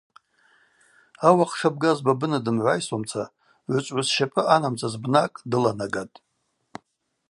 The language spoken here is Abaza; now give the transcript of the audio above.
Ауахъ шабгаз Бабына дымгӏвайсуамца гӏвычӏвгӏвыс щапӏы ъанамдзасыз бнакӏ дыланагатӏ.